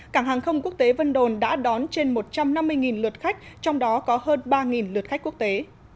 cảng hàng không quốc tế vân đồn đã đón trên một trăm năm mươi lượt khách trong đó có hơn ba lượt khách quốc tế